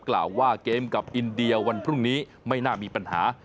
กล่าวว่าเกมกับอินเดียวันพรุ่งนี้ไม่น่ามีปัญหา